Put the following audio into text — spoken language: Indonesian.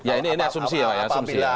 ya ini asumsi ya pak ya